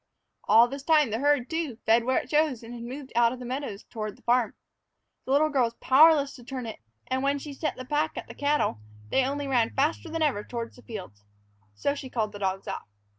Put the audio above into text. All this time the herd, too, fed where it chose and had moved out of the meadows toward the farm. The little girl was powerless to turn it, and when she set the pack at the cattle they only ran faster than ever toward the fields. So she called the dogs off.